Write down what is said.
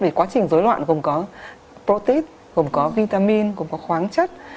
vì quá trình dối loạn gồm có protein gồm có vitamin gồm có khoáng chất